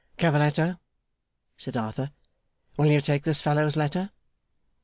'Cavalletto,' said Arthur. 'Will you take this fellow's letter?